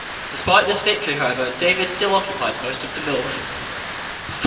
Despite this victory, however, David still occupied most of the north.